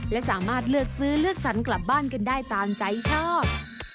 และสามารถเลือกซื้อเลือกสรรกลับบ้านกันได้ตามใจชอบ